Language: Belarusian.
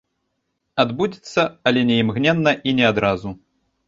Адбудзецца, але не імгненна і не адразу.